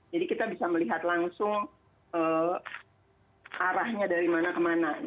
jadi kita bisa melihat langsung arahnya dari mana kemana